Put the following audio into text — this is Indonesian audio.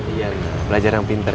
iya belajar yang pinter